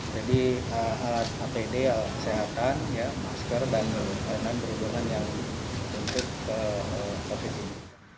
jadi alat apd alat kesehatan masker dan perhubungan yang untuk covid sembilan belas